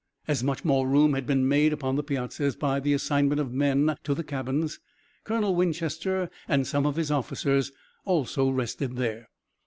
As much more room had been made upon the piazzas by the assignment of men to the cabins, Colonel Winchester and some of his officers also rested there.